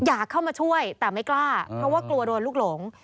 อยากเข้ามาช่วยแต่ไม่กล้าเพราะว่ากลัวโดนลูกหลง